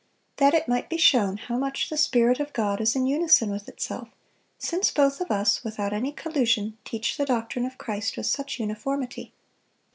That it might be shown how much the Spirit of God is in unison with itself, since both of us, without any collusion, teach the doctrine of Christ with such uniformity."